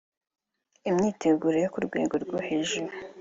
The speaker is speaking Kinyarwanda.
Imyiteguro yo ku rwego rwo hejuru